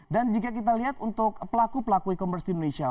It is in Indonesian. dan jika kita lihat untuk pelaku pelaku e commerce di indonesia